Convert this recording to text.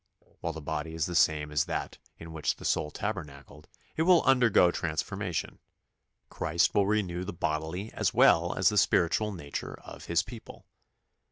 " While the body is the same as that in which the soul tabernacled, it will undergo transformation. Christ will renew the bodily as well as the spiritual nature of His people.